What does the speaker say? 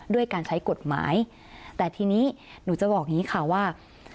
ด้วยการใช้กฎหมายแต่ทีนี้หนูจะบอกอย่างนี้ค่ะว่า